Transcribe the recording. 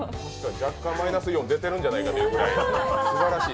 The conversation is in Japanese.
若干マイナスイオン出てるんじゃないかというぐらい。